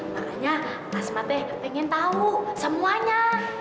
makanya asma teh pengen tau semuanya